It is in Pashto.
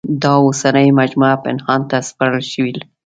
دا اوسنۍ مجموعه پنهان ته سپارل شوې.